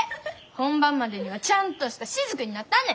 本番までにはちゃんとした滴になったんねん！